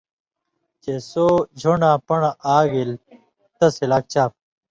چے سو ژھݩڈاں پن٘ڑہۡ آ گیل تس ہِلاک چاپ۔